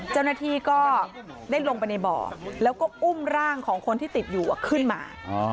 เจ้าหน้าที่ก็ได้ลงไปในบ่อแล้วก็อุ้มร่างของคนที่ติดอยู่ขึ้นมา